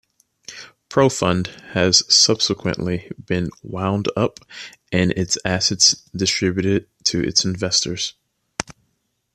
Profund has subsequently been wound up and its assets distributed to its investors.